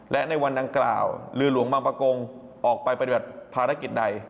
และในวันดังกล่าวเรือหลวงบางประกงออกไปปฏิบัติภารกิจใด